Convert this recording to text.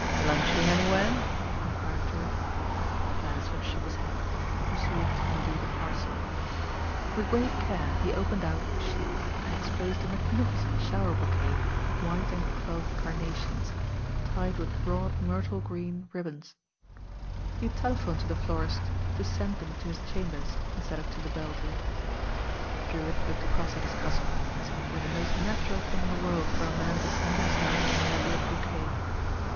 "Lunching anywhere?" enquired Drewitt Beresford shook ah head and proceeded to undo the parcel. With great care he opened out the sheets and ex posed a magnificent shower bouquet of white and clove carnations, tied with broad myrtle green rib THE MORNINO AFTER wn bon. He had telephoned to the florist's to send them to his chambers instead of to the Belle Vue. Drewitt looked across at his cousin as if it were the most natural thing in the world for a man to send himself an elaborate bouquet.